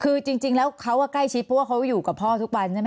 คือจริงแล้วเขาใกล้ชิดเพราะว่าเขาอยู่กับพ่อทุกวันใช่ไหม